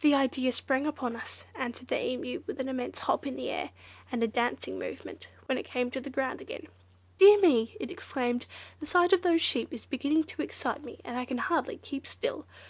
"The idea sprang upon us," answered the Emu, with an immense hop in the air, and a dancing movement when it came to the ground again. "Dear me!" it exclaimed, "the sight of those sheep is beginning to excite me, and I can hardly keep still!